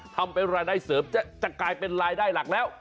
ทำเป็นรายได้เสริมจะกลายเป็นรายได้หลักแล้ว